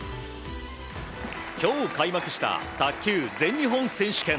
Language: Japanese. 今日、開幕した卓球全日本選手権。